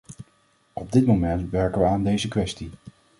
Op dit moment werken we aan deze kwestie.